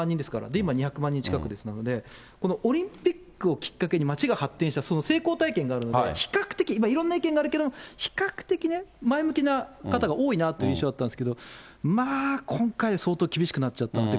今、２００万人近くですので、このオリンピックをきっかけに街が発展した、その成功体験があるので、比較的、いろんな意見があるけれども、比較的ね、前向きな方が多いなという印象だったんですけど、まあ今回で相当厳しくなっちゃったって。